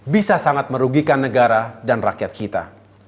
bisa sangat merugikan negara dan rakyat kita